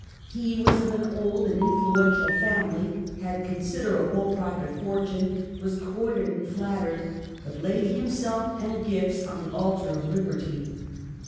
He was of an old and influential family, had considerable private fortune, was courted and flattered, but laid himself and gifts on the altar of Liberty.